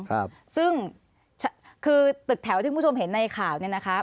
ครับซึ่งคือตึกแถวที่คุณผู้ชมเห็นในข่าวเนี้ยนะคะ